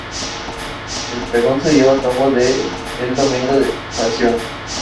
El Pregón se lleva a cabo el Domingo de Pasión.